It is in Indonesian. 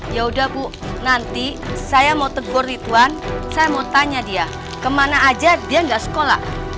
ya udah bu nanti saya mau tegur ridwan saya mau tanya dia kemana aja dia nggak sekolah